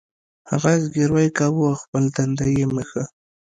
هغه زګیروی کاوه او خپل تندی یې مښه